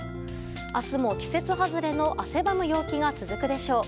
明日も季節外れの汗ばむ陽気が続くでしょう。